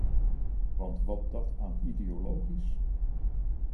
Want wat dat aan ideologisch ...